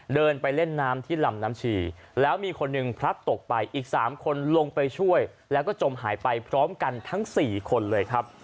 เดินไปเล่นน้ำที่ลำน้ำชีแล้วมีคนหนึ่งพลัดตกไปอีก๓คนลงไปช่วยแล้วก็จมหายไปพร้อมกันทั้ง๔คนเลยครับ